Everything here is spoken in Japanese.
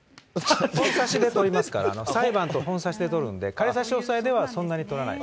本差しで取りますから、裁判と本差しで取るんで、仮差し押さえではそんなに取らない。